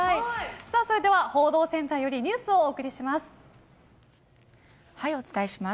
それでは報道センターよりニュースをお伝えします。